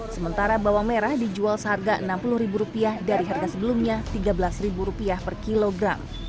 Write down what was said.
sementara bawang merah dijual seharga enam puluh ribu rupiah dari harga sebelumnya tiga belas ribu rupiah per kilogram